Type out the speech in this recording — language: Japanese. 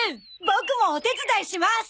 ボクもお手伝いします！